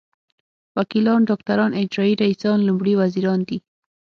وکیلان ډاکټران اجرايي رییسان لومړي وزیران دي.